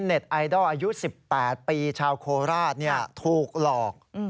ไอดอลอายุ๑๘ปีชาวโคราชถูกหลอก